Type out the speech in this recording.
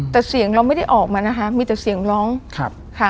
แต่เสียงเราไม่ได้ออกมานะคะมีแต่เสียงร้องค่ะ